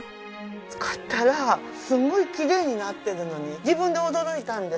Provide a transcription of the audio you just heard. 使ったらすごいきれいになってるのに自分で驚いたんです。